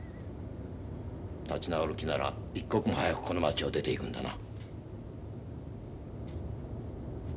立ち直る気なら一刻も早くこの街を出ていくんだな。